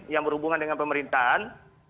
yang berhubungan dengan pemerintahan